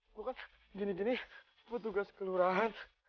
gue kan gini gini gue tugas kelurahan